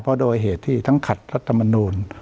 เพราะโดยเหตุที่ทั้งขัดรัฐมนูล